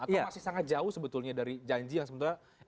atau masih sangat jauh sebetulnya dari janji yang sebenarnya